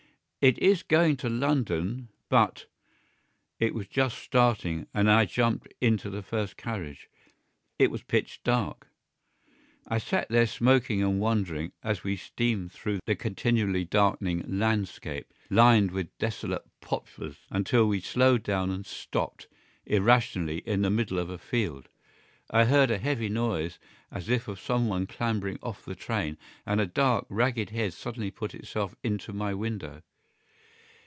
"It is going to London; but——" It was just starting, and I jumped into the first carriage; it was pitch dark. I sat there smoking and wondering, as we steamed through the continually darkening landscape, lined with desolate poplars, until we slowed down and stopped, irrationally, in the middle of a field. I heard a heavy noise as of some one clambering off the train, and a dark, ragged head suddenly put itself into my window.